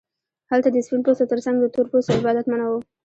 هلته د سپین پوستو ترڅنګ د تور پوستو عبادت منع و.